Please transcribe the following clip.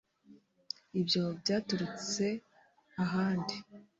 ibyo byaturutse ahandi